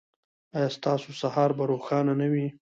ایا ستاسو سهار به روښانه نه وي؟